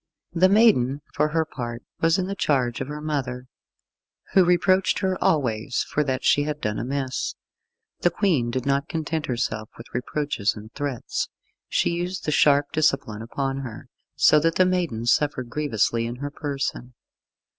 The maiden, for her part, was in the charge of her mother, who reproached her always for that she had done amiss. The Queen did not content herself with reproaches and threats. She used the sharp discipline upon her, so that the maiden suffered grievously in her person.